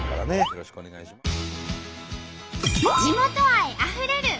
よろしくお願いします。